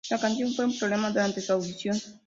La canción fue un problema durante su audición.